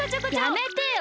やめてよ！